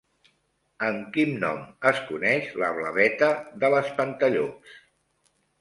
Amb quin nom es coneix la blaveta de l'espantallops?